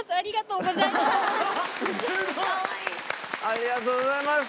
ありがとうございます！